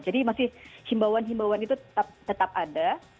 jadi masih himbauan himbauan itu tetap ada